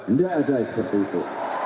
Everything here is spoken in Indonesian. ndak ada seperti itu